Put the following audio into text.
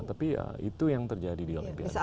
tapi ya itu yang terjadi di olimpiade